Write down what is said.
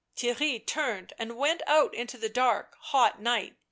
Theirry turned and went out into the dark, hot night.